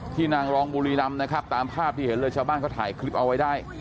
นางรองบุรีรำนะครับตามภาพที่เห็นเลยชาวบ้านเขาถ่ายคลิปเอาไว้ได้